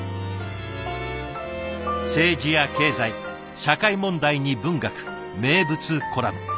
政治や経済社会問題に文学名物コラム。